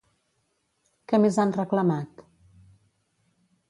Què més han reclamat?